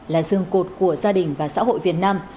là dương cột của gia đình và xã hội việt nam